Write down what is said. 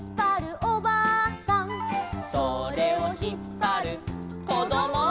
「それをひっぱるこども」